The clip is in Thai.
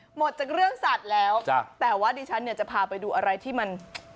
หมดจากเรื่องสัตว์แล้วจ้ะแต่ว่าดิฉันเนี่ยจะพาไปดูอะไรที่มัน